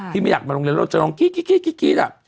ไม่อยากมาโรงเรียนเราจะลองกรี๊ด